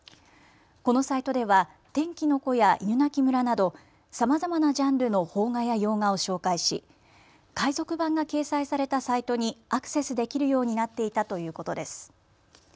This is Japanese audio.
このサイトでは天気の子や犬鳴村などさまざまなジャンルの邦画や洋画を紹介し海賊版が掲載されたサイトにアクセスできるようになっていたということです。